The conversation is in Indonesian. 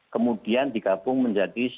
kemudian digabung menjadi